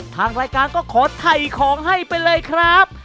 ทางรายการก็ขอถ่ายของให้ไปเลยครับ